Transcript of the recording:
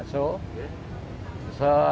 saya membuat bakso